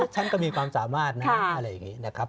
ฉันก็มีความสามารถนะอะไรอย่างนี้นะครับ